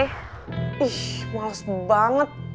ih males banget